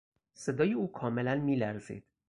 صدای او کاملا میلرزید.